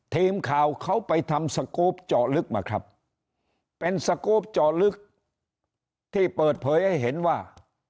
ทีมข่าวเขาไปทำสกรูปเจาะลึกมาครับเป็นสกรูปเจาะลึกที่เปิดเผยให้เห็นว่า